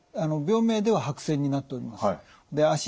病名では白癬になっております。